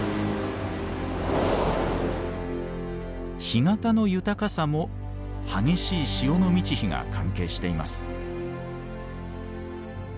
干潟の豊かさも激しい潮の満ち干が関係しています。